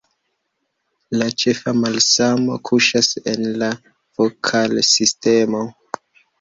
La ĉefa malsamo kuŝas en la vokalsistemo.